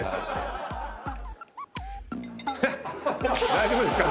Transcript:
大丈夫ですか？